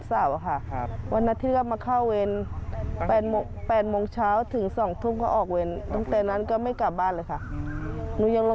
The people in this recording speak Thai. แล้วไปตามหาหรือไม่ได้